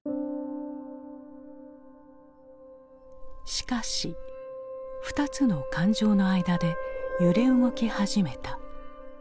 しかし２つの感情の間で揺れ動き始めた。